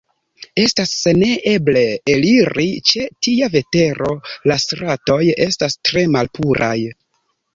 Estas neeble eliri ĉe tia vetero; la stratoj estas tre malpuraj.